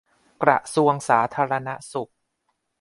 กระทรวงสาธารณสุข